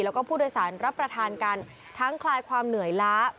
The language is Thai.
แล้วก็ผู้โดยสารรับประทานกันทั้งคลายความเหนื่อยล้า